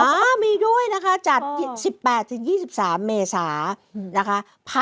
อ่ามีด้วยนะคะจัด๑๘๒๓เมษานะคะ